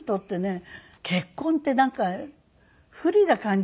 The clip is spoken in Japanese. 結婚ってなんか不利な感じがする。